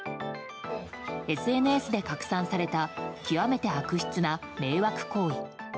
ＳＮＳで拡散された極めて悪質な迷惑行為。